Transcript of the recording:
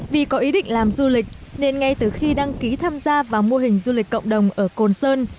vì có ý định làm du lịch nên ngay từ khi đăng ký tham gia vào mô hình du lịch cộng đồng ở côn sơn